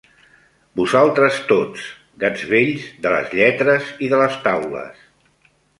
Vosaltres tots, gats vells de les lletres i de les taules